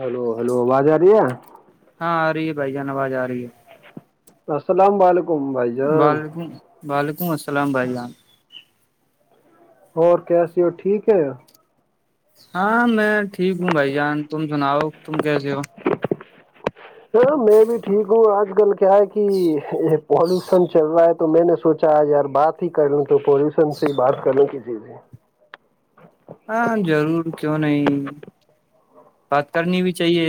hello hello آواز آ رہی ہے ہاں آ رہی ہے بھائی جان آواز آ رہی ہے السلام علیکم ممبائی جان وعلیکم وعلیکم السلام بھائی جان اور کیا س وہ ٹھیک ہے ہاں میں ٹھیک ہوں بھائی جان تم سناؤ تم کیسے ہو میں بھی ٹھیک ہوں آج کل کیا ہے کہ یہ پالوشن چل رہا ہے تو میں نے سوچا یار بات ہی کر لوں گ تو پولوشن سے ہی بات کرنے کی جی جی ہاں ضرور کیوں نہیں بات کرنی بھی چاہیے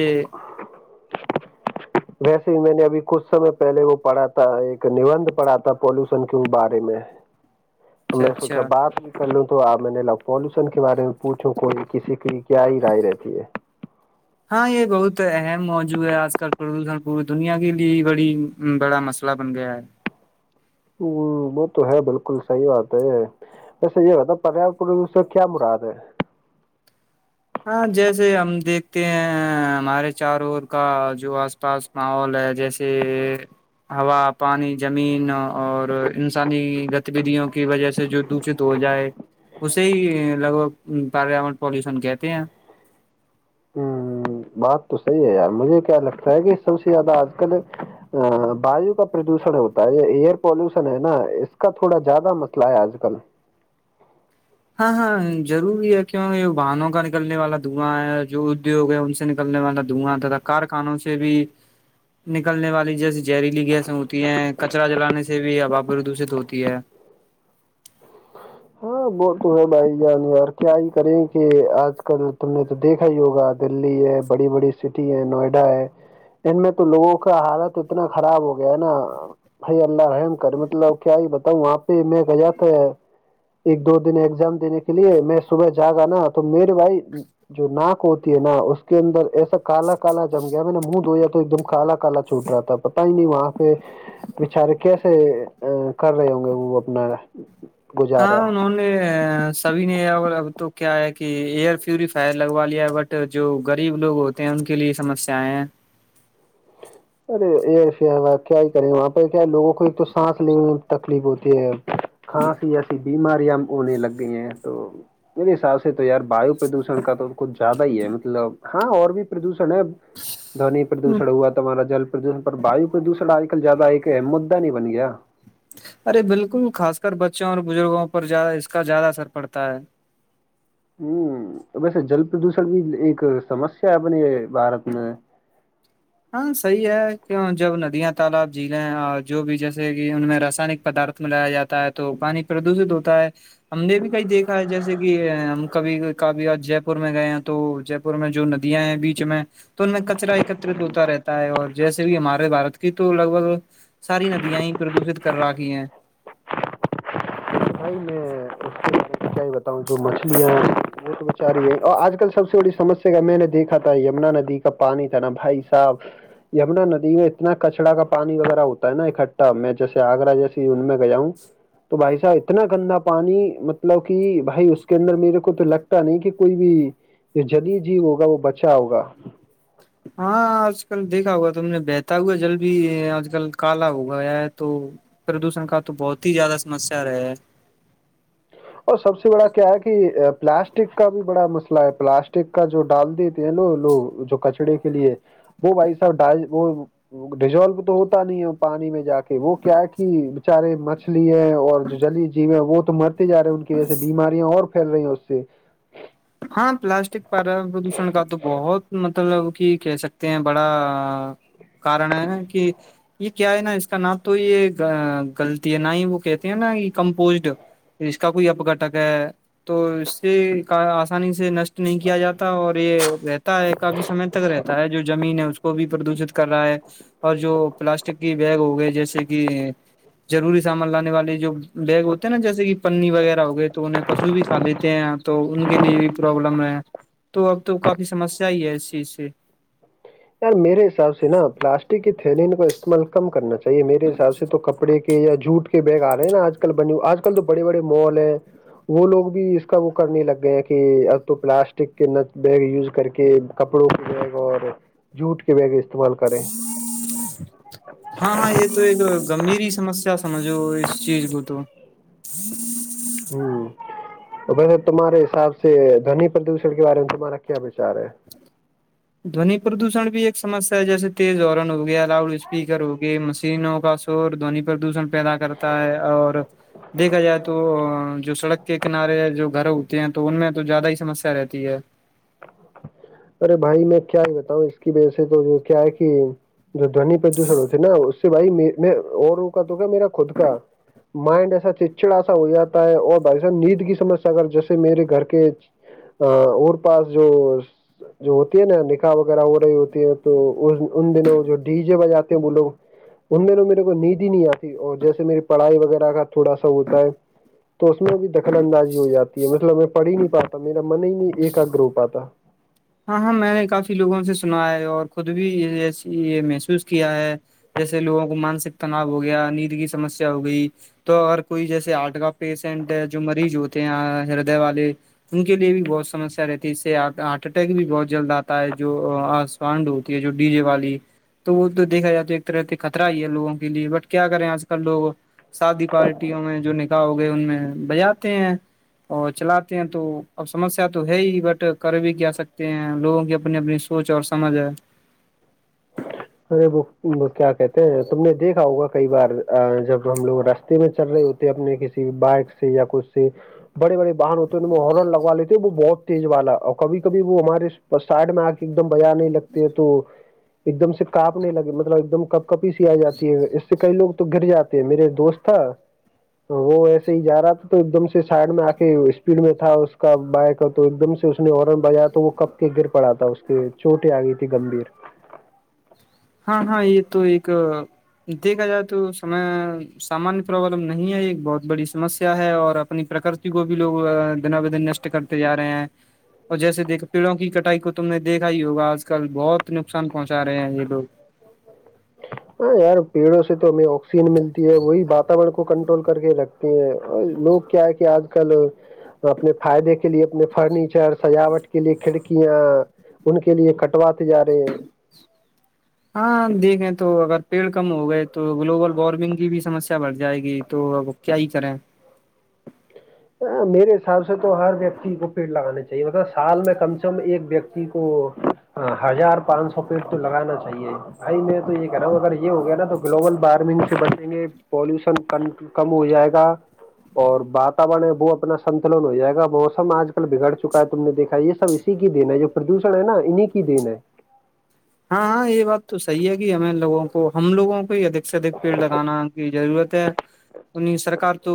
ویسے ہی میں نے ابھی کچھ سمے پہلے وہ پڑھا تھا ایک نبندند پڑھا تھا پولوشن کے بارے میں تو اچھا میں اچھا سوچا بات بھی کر لوں تو آپ میں نے پالوشن کے بارے میں پوچھوں کوئی کسی کی کیا ہی رائے رہتی ہے ہاں یہ بہت اہم موجوع ہے آج کل پردوشن پوری دنیا کے لیے بڑی بڑا مسئلہ بن گیا ہے ہ وہ تو ہے بالکل صحیح بات ہے ویسے یہ بتا پر پ سے کیا مراد ہے ہاں جیسے ہم دیکھتے ہیں ہمارے چار اور کا جو آس پاس ماحول ہے جیسے ہوا پانی زمین اور انسانی گتیودیوں کی وجہ سے جو دشت ہو جائے اسے ہی لگ بھگ پارمنٹ پالوشن کہتے کیا ہیں ہ بات تو صحیح ہے یار مجھے کیا لگتا ہے کہ سب سے زیادہ آج کل ا ویو کا پردوشن ہوتا ہے یہ ایئر پالوشن ہے نا اس کا تھوڑا زیادہ مسئلہ ہے آج کل ہاں ہاں ضروری ہے کیونک باہنوں کا نکلنے والا دھواں ہے جو ادوگ ہے ان سے نکلنے والا دھواںتا تھا کارخانوں سے بھی نکلنے والی جیسی جہریلی گیسیں ہوتی ہیں کچرا جلانے سے بھی ہبا پردوشت ہوتی ہے ہاں وہ تو ہے بھائی جانیار کیا ہی کریں کہ آج کل تم نے تو دیکھا ہی ہوگا دللی ہے بڑی بڑی سٹی ہے نوئیڈا ہے ان میں تو لوگوں کا حالت اتنا خراب ہو گیا ہے نا بھائی اللہ رحم کر مطلب کیا ہی بتاؤں وہاں پہ میں کہ تھا ایک دو دن ایگزام دینے کے لیے میں صبح جا گا نا تو میرے بھائی جو ناک ہوتی ہے نا اس کے اندر ایسا کالا کالا جم گیا میں نے منہ دھویا تو ایک دم کالا کالا چھوٹ رہا تھا پتا ہی نہیں وہاں پہ بچارے کیسے کر رہے ہوں گے وہ اپنا ہاں گجاراتت انہوں نے سبھی نے اب تو کیا ہے کہ ایئر پیوریفائر لگوا لیا ہے بٹ جو غریب لوگ ہوتے ہیں ان کے لیے سمسیایں ہیں ارے ایئر فئر کیا ہی کریں وہاں پہ کیا لوگوں کو ایک تو سانس لینے میں تکلیف ہوتی ہے کاں سیا س بیماریاں ہونے لگ گئی ہیں تو میرے حساب سے تو یار واو پردوشن کا تو کچھ زیادہ ہی ہے مطلب ہاں اور بھی پردوشن ہے دونی پردوشن ہوا تھا جل پردوشن پر وایو پردوشن آج کل زیادہ ایک اہم مدا نہیں بن گیا ارے بالکل خاص کر بچوں اور بزرگوں پر اس کا زیادہ اثر پڑتا ہے ہوں ویسے جل پردوشن بھی ایک سمسیا ہے اپنے بھارت میں ہاں صحیح ہے کہ جب ندیاں تالاب جھیلیں اور جو بھی جیسے کہ ان میں رسائنک پدارت ملایا جاتا ہے تو پانی پردوشت ہوتا ہے ہم نے بھی کہئی دیکھا ہے جیسے کہ ہم کبھی کبھی آ جے پور میں گئے ہیں تو جے پور میں جو ندیاں ہیں بیچ میں تو ان میں کچرا ہوتا رہتا ہے اور جیسے بھی ہمارے بارت کی تو لگ بھگ ساری ندیاں ہی پردوشت کر رہا کی ہیں بھائی میں بتاؤں جو مچھلیاں وہ بچاری ہے اور آج کل سب سے بڑی سسیا کا میں نے دیکھا تھا یمنا ندی کا پانی تھا نا بھائی صاحب یمنا ندی میں اتنا کچرا کا پانی وغیرہ ہوتا ہے نا اکٹھا میں جیسے آگرہ جیسی ان میں گیا ہوں تو بھائی صاحب [inaudible] اتنا گندا پانی مطلب کہ بھائی اس کے اندر میرے کو تو لگتا نہیں کہ کوئی بھی جد جیو ہوگا وہ بچا ہوگا ہاں آج کل دیکھا ہوا تم نے بہتا ہوا جل بھی آج کل کالا ہو گیا ہے تو پردوشن کا تو بہت ہی زیادہ سمسیا رہ ہے اور سب سے بڑا کیا ہے کہ پلاسٹک کا بھی بڑا مسئلہ ہے پلاسٹک کا جو ڈال دیتے ہیں لو لوگ جو کچڑے کے لیے وہ بھائی صاح وہ ڈیزولو تو ہوتا نہیں ہے پانی میں جا کے وہ کیا کہ بچارے مچھلی ہے اور جو جلی جیو ہے وہ تو ج رہے ہیں ان کی ویسے بیماریاں اور پھیل رہی [inaudible] ہاں پلاسٹک پردوشن کا تو بہت مطلب کہ کہہ سکتے ہیں بڑا کارن ہے کہ یہ کیا ہے نا اس کا نہ تو یہ گغلط ہے نہ ہی وہ کہتے ہیں نا یہ کمپوزڈ اس کا کوئی اپگھٹک ہے تو اس سے کا سے نش [inaudible] نہیں کیا جاتا اور یہ رہتا ہے کافی سمے تک رہتا ہے جو زمین ہے اس کو بھی پردوشت کر رہا ہے اور جو پلاسٹک کی بیگ ہو گئے جیسے کہ جضروری سامان لانے والے جو بیگ ہوتے ہے نا جیسے کہ پنی وغیرہ ہو گئے تو انہیں پشو بھی کا لیتے ہیں تو ان کے لیے بھی پرابلم ہے تو اب تو کافی سمسیا ہی ہے اس چیز سے یار میرے ملکم کرنا چاہی صحی میرے حساب سے تو کپڑے کے یا جھوٹ کے بیگ آ رہے ہیں نا آج کل بنے آج کل تو بڑے بڑے مال ہیں وہ لوگ بھی اس کا وہ کرنے لگ گئے ہیں کہ اب تو پلاسٹک کے ن بیگ یوز کر کے کپڑوں کے بیگ اور جھوٹ کے بیگ استعمال کریں ہاں ہاں یہ تو ایک [inaudible] گمبھیر ہی سمسیا سمجھو اس چیز کو تو [inaudible] ہ تمہارے حساب سے دونی پردوشن کے بارے میں تمہارا کیا وچار ہے دونی پردوشن بھی ایک سسیا ہے جیسے تیز اورن ہو گیا لاؤڈ اسپیکر ہوگے مشینوں کا تو دونی پردوشن پیدا کرتا ہے اور دیکھا جائے تو جو سڑک کے کنارے جو گھر ہوتے ہیں تو ان میں تو زیادہ ہی سمسیا رہتی ہے ارے بھائی میں کیا ہی بتاؤں اس کی وجہ سے تو کیا ہے کہ جو دونی پردوش ہوتی نا بھائی میں اوروں کا تو کیا میرا خود کا مائنڈ ایسا چڑچڑا سا ہو جاتا ہے اور بھائی سا نیند کی سمس اگر جیسے میرے گھر کے اور پاس جو جو ہوتی ہے نا نکاح وغیرہ ہو رہی ہوتی ہے تو ان دنوں جو ڈی جے بجاتے ہیں وہ لوگ ان دنوں میرے کو ندی نہیں آتی اور جیسے میری پڑھائی وغیرہ کا تھوڑا سا ہوتا ہے تو اس میں بھی اندازی ہواتی ہے مطلب [inaudible] پڑھی نہیں پاتا میرا من ہی نہیں ایک کا گروپ پتہ ہاں ہاں میں نے کافی لوگوں سے سنا ہے اور خود بھی یہ محسوس کیا ہے جیسے لوگوں کو مانسک تناؤ ہو گیا نیند کی سمسیا ہو گئی تو اور کوئی جیسے آرٹ کا پیشنٹ جو مریض ہوتے ہیں ہردے والے ان کے لیے بھی بہت سمسیا رہتی ہے اس سے اٹیک بھی بہت جلد آتا ہے جو آس فانڈ ہوتی ہے جو ڈی جے والی تو وہ تو دیکھا جات تو ایک طرح سے خطرہ ہی ہے لوگوں کے لیے بٹ کیا کریں آج کل لوگ شادی پارٹیوں میں جو نکاح ہو گئے ان میں بجاتے ہیں اور چلاتے ہیں تو اب سمسیا تو ہے ہی بٹ کر بھی کیا سکتے ہیں لوگوں کی اپنی اپنی سوچ اور سمجھ ہے ارے وہ وہ کیا کہتے ہیں تم نے دیکھا ہوگا کئی بار جب ہم لوگ رستے میں چل رہے ہوتے ہیں اپنے کسی بائک سے یا کچھ سے بڑے بڑے ہورن لگوا لیتے وہ بہت تیز والا اور کبھی کبھی وہ ہمارے سائڈ میں آ کے ایک دم بیاار نہیں لگتے تو ایک دم سے کانپنے لگے مطلب ایک دم کپ کپی سی آ جاتی ہے اس سے کئی لوگ تو گر جاتے ہیں میرے دوست تھا وہ ایسے ہی جا رہا تھا تو ایک دم سے سائڈ میں آ کے اسپیڈ میں تھا اس کا بک تو ایک دم سے اس نے ہارن بجایا تو وہ کپ کے گر پڑا تھا اس کے چوٹیں آ گئی تھی گمبھیر ہاں ہاں یہ تو ایک دیکھا جائے تو س سامانیہ پرابلم نہیں ہے یہ بہت بڑی سمسیا ہے اور اپنی پرکرتی کو بھی لوگ دنا بدن نشٹ کرتے ج رہے ہیں اور جیسے دیک پیڑوں کی کٹائی کو تم نے دیکھا ہی ہوگا آج کل بہت نقصان پہنچا رہے ہیں یہ لوگ ہاں یار پیڑوں سے تو ہمیں آکسیجن ملتی ہے وہی واتورن کو کنٹرول کر کے رکھتے ہیں اور لوگ کیا ہے کہ آج کل اپنے فائدے کے لیے اپنے فرنیچر سجاوٹ کے لیے کھڑکیاں ان کے لیے کٹواتے جا رہے ہیں ہاں دیکھیں تو اگر پیڑ کم ہو گئے تو گلوبل وارمنگ کی بھی سمسیا بڑھ جائے گی تو اب کیا ہی کریں میرے حساب سے تو ہر ویکتی کو پیڑ لگانا چاہیے مطلب سال میں کم سے کم ایک ویکتی کو ہزار پانچ سو پیڑ تو لگانا چاہیے بھائی میں تو یہ کہہ رہا ہوں اگر یہ ہو گیا نا تو گلوبل وارمنگ سے بچیں گے پالوشن ک کم ہو جائے گا اور بات و ہے وہ اپنا سنتلن ہو جائے گا موسم آج کل بگڑ چکا ہے تم نے دیکا ہے یہ سب اسی کی دن ہے جو پردوشن ہے نا انیں کی دین ہے ہاں ہاں یہ بات تو صحیح ہے کہ ہمیں لووں کو ہم لوگوں کو ہی د سے اک پیڑ لگانا ضرورت ہے ان سرک تو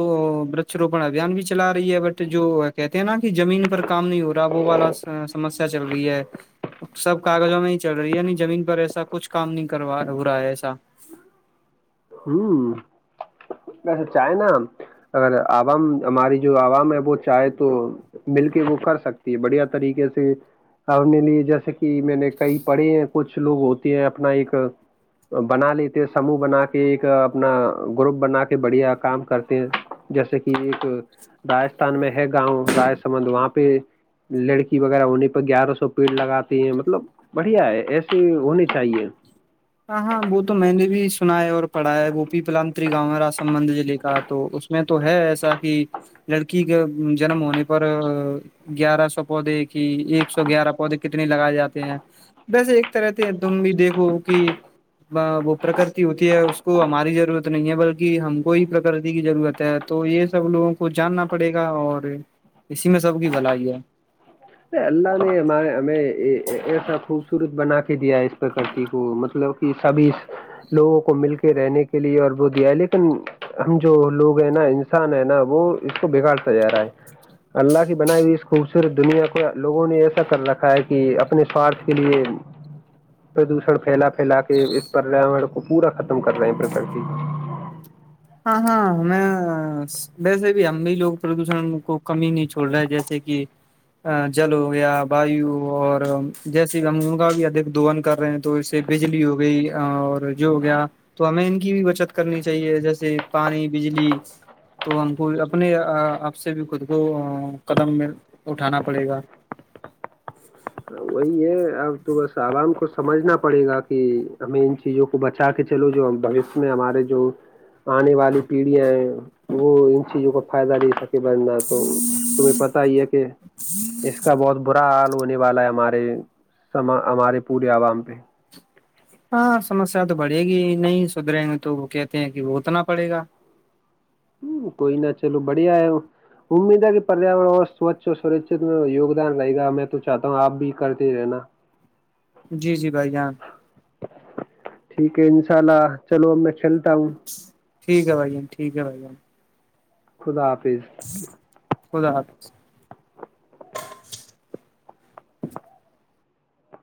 وش روپن ابھیان بھی چلا رہی ہے بٹ جو کہتے ہیں نا کہ زمین پر کام نہیں ہو رہا وہ والا سمسیا چل رہی ہے سب کاغذوں میں چل رہی نہیں زمین پر ایسا کچھ کام نہیں کروا ہو رہا ہے ایسا ہ وسے چاہے نا اگر عوام ہماری جو عوام ہے وہ چاہے تو مل کے وہ کر سکتی ہے بڑھیا طریقے سے ہمنے لیے جیسے کہ میں نے کئی پڑھے ہیں کچھ لوگ ہوتے ہیں اپنا ایک بنا لیتے ہیں سموہ بنا کے کہ ایک اپنا گروپ بنا کے بڑھیا کام کرتے ہیں جیسے کہ ایک راجستھان میں ہے گاؤں را سبند وہاں پہ لڑکی وغیرہ انہیں پہ گیارہ سو پیڑ لگاتے ہیں مطلب بڑھیا ہے ایسے ہونی چاہیے ہاں ہاں وہ تو میں نے بھی سنا ہے اور پڑھا ہے گو پی پلتری گاؤں را سمبند لے کا تو اس میں تو ہے ایسا کہ لڑکی کے جنم ہونے پر گیارہ سو پودے کی ایک سو گیارہ پودے کتنے لگائے جاتے ہیں ویسے ایک طرحتے تم بھی دیکھو کہ وہ پرکرتی ہوتی ہے اس کو ہماری ضرورت نہیں ہے بلکہ ہم کو ہی پرکرتی کی ضرورت ہے تو یہ سب لوگوں کو جاننا پڑے گا اور اسی میں سب کی بھلائی ہے اللہ نے ہمارے ہمیں ایسا خوبصورت بنا کے دیا ہے اس پرکرتی کو مطلب کہ سبھی لوگوں کو مل کے رہنے کے لیے اور وہ دیا ہے لیکن ہم جو لوگ ہیں نا انسان ہے نا وہ اس کو بگاڑتا جا رہا ہے اللہ کی بنائی ہوئی اس خوبصورت دنیا کو لوگوں نے ایسا کر رکھا ہے کہ اپنے سوارھ کے لیے پردوشن پھیلا پھیلا کے اس پریاور کو پورا ختم کر رہے ہیں پرکتی ہاں ہاں ہمیں ویسے بھی ہم بھی لوگ پردوشن کو کمی نہیں چھوڑ رہے ہیں جیسے کہ جل ہو گیا واو اور جیسے کہ ہم ان کا بھی ادھ دون کر رہے ہیں تو اس سے بجلی ہو گئی اور جو ہو گیا تو ہمیں ان کی بھی بچت کرنی چاہیے جیسے پانی بجلی تو ہم کو اپنے آپ سے بھی خود کو قدم میں اٹھانا پڑے گا وہی ہے اب تو بس عوام کو سمجھنا پڑے گا کہ ہمیں ان چیزوں کو بچا کے چلو جو بوشیہ میں ہمارے جو آنے والی پیڑھیاں ہیں وہ ان چیزوں کا فائدہ دے سک بننا تو تمہیں پتا ہی ہے کہ اس کا بہت برا آپ ہونے والا ہے ہمارے ہمارے پورے عوام پہ ہاں سمسیا تو بڑھے گی نہیں سدھریں گے تو وہ کہتے ہیں کہ وہ اتنا پڑے گا کوئی نہ چلو بڑھیا ہے امید ہے کہ پریاور اور سوچھ اور سرکچت میں یوگدان رہے گا میں تو چاہتا ہوں آپ بھی کرتے رہنا جی جی بھائی جان ٹھیک ہے ان شاء اللہ چلو میں چلتا ہو ٹھیک ہے بھائی جان ٹھیک ہے بھائی جان خدا حافظ گے خدا حافظ